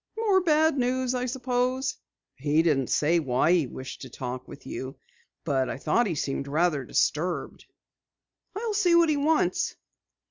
"More bad news I suppose." "He didn't say why he wished to talk with you. I thought he seemed rather disturbed, though." "I'll see what he wants."